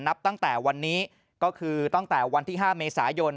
นับตั้งแต่วันนี้ก็คือตั้งแต่วันที่๕เมษายน